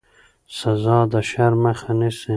سزا د شر مخه نیسي